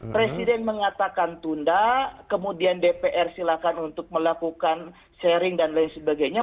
presiden mengatakan tunda kemudian dpr silakan untuk melakukan sharing dan lain sebagainya